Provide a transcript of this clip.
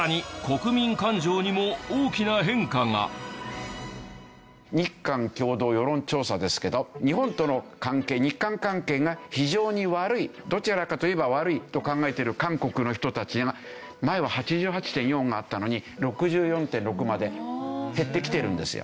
さらに日韓共同世論調査ですけど日本との関係日韓関係が非常に悪いどちらかといえば悪いと考えてる韓国の人たちが前は８８．４あったのに６４．６まで減ってきてるんですよ。